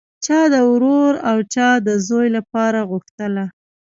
چا د ورور او چا د زوی لپاره غوښتله